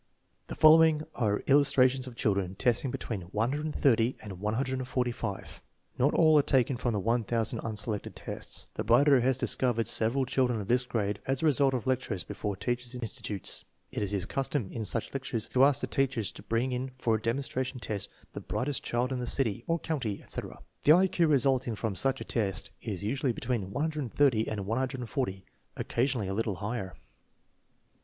The following are illustrations of children testing be tween 130 and 145. Not all are taken from the 1000 un selected tests. The writer has discovered several children of this grade as a result of lectures before teachers' insti tutes. It is his custom, in such lectures, to ask the teachers to bring in for a demonstration test the " brightest child in the city " (or county, etc.). The I Q resulting from such a test is usually between 130 and 140, occasionally a little higher.